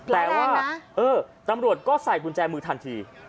แต่ว่าตำรวจก็ใส่กุญแจมือทันที